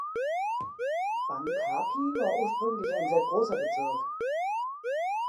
Bang Kapi war ursprünglich ein sehr großer Bezirk.